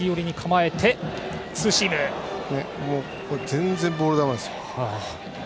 全然ボール球です。